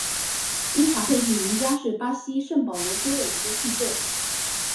伊塔佩蒂宁加是巴西圣保罗州的一个市镇。